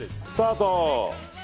スタート！